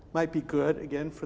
mungkin bagus untuk alam sekitar